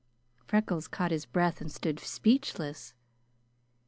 Freckles caught his breath and stood speechless.